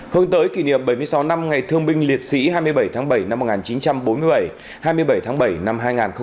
hướng tới kỷ niệm bảy mươi sáu năm ngày thương binh liệt sĩ hai mươi bảy tháng bảy năm một nghìn chín trăm bốn mươi bảy hai mươi bảy tháng bảy năm hai nghìn hai mươi